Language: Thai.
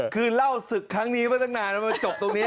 คือเล่าศึกครั้งนี้มาตั้งนานแล้วมันจบตรงนี้